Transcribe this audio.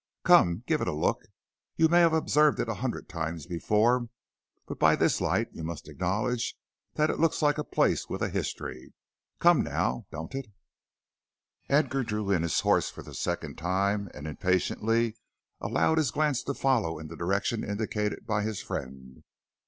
Come, give it a look. You may have observed it a hundred times before, but by this light you must acknowledge that it looks like a place with a history. Come, now, don't it?" Edgar drew in his horse for the second time and impatiently allowed his glance to follow in the direction indicated by his friend.